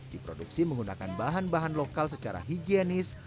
diproduksi menggunakan bahan bahan lokal secara higienis